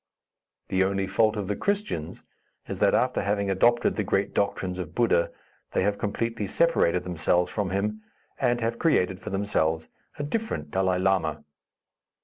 The only fault of the Christians is that after having adopted the great doctrines of Buddha, they have completely separated themselves from him, and have created for themselves a different Dalai Lama.